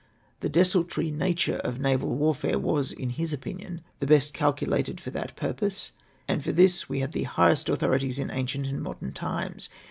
The desultory nature of naval warfare was, in his opinion, the best calcu lated for that purpose, and for this we had the highest authorities in ancient and modern times.